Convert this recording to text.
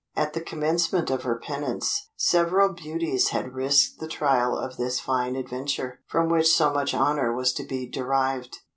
At the commencement of her penance several beauties had risked the trial of this fine adventure, from which so much honour was to be derived.